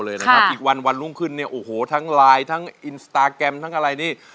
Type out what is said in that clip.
อีกวันวันรุ่งขึ้นเนี่ยโอ้โหทั้งไลน์ทั้งทั้งอะไรนี่